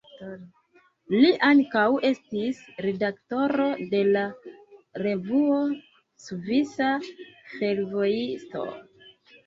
Li ankaŭ estis redaktoro de la revuo Svisa Fervojisto.